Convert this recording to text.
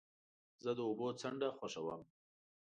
زه د اوبو څنډه خوښوم.